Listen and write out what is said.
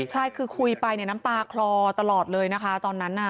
ใช่คือคุยไปเนี่ยน้ำตาคลอตลอดเลยนะคะตอนนั้นน่ะ